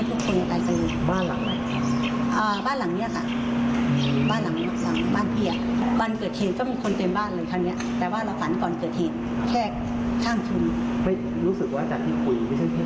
รู้สึกว่าอาจารย์ที่คุยไม่ใช่เพื่อนผู้ผิดด้วย